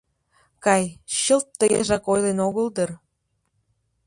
— Кай, чылт тыгежак ойлен огыл дыр...